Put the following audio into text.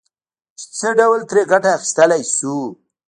چې څه ډول ترې ګټه اخيستلای شو.